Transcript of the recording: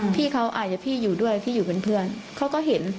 พี่เขาอาจจะพี่อยู่ด้วยพี่อยู่เป็นเพื่อนเขาก็เห็น